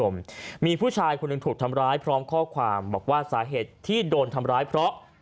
คุณผู้ชมมีผู้ชายคนหนึ่งถูกทำร้ายพร้อมข้อความบอกว่าสาเหตุที่โดนทำร้ายเพราะ